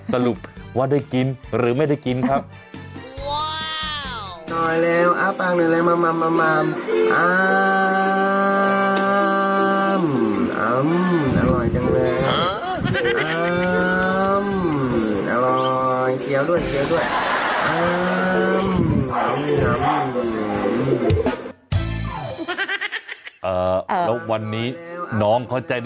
สรุปว่าได้กินหรือไม่ได้กินครับ